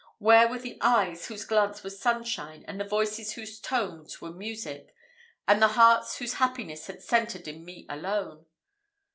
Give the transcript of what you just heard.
where were the eyes whose glance was sunshine, and the voices whose tones were music, and the hearts whose happiness had centred in me alone?